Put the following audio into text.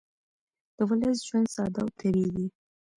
د ولس ژوند ساده او طبیعي دی